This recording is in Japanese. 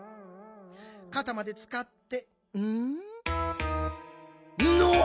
かたまでつかってん？のお！